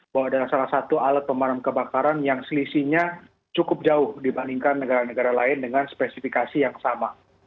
bahwa ada salah satu alat pemadam kebakaran yang selisihnya cukup jauh dibandingkan negara negara lain dengan spesifikasi yang sama